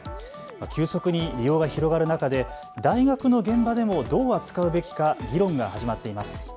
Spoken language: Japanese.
急速に利用が広がる中で大学の現場でもどう扱うべきか議論が始まっています。